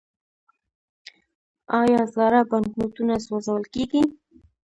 آیا زاړه بانکنوټونه سوځول کیږي؟